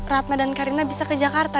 ratna dan karina bisa ke jakarta